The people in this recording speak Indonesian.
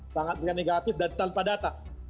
sangat negatif dan tanpa data